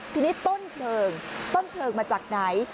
ทีนี้ต้นเพลิงต้นเพลิงมาจากไหน